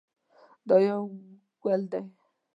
دا یو ګل دی.